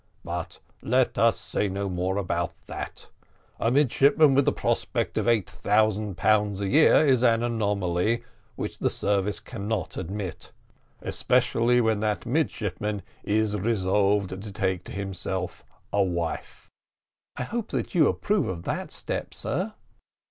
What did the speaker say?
But let us say no more about that: a midshipman with the prospect of eight thousand pounds a year is an anomaly which the service cannot admit, especially when that midshipman is resolved to take to himself a wife." "I hope that you approve of that step, sir."